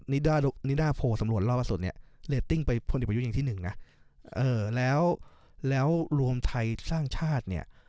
นิดไดอภลสำรวจราวราชส่วน